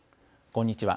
こんにちは。